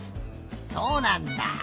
そうなんだ。